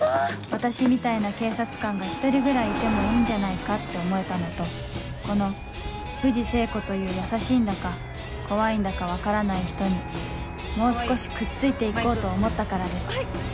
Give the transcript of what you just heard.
私みたいな警察官が１人ぐらいいてもいいんじゃないかって思えたのとこの藤聖子という優しいんだか怖いんだか分からない人にもう少しくっついて行こうと思ったからです